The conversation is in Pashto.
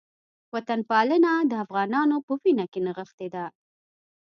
وطنپالنه د افغانانو په وینه کې نغښتې ده